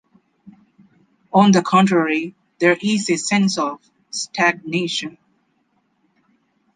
On the contrary, there is a sense of stagnation.